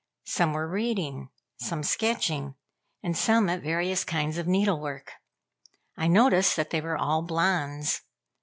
Some were reading, some sketching, and some at various kinds of needlework. I noticed that they were all blondes.